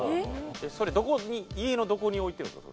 それどこに家のどこに置いてるんですか？